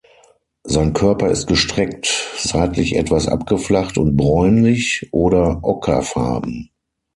Sein Körper ist gestreckt, seitlich etwas abgeflacht und bräunlich oder ockerfarben.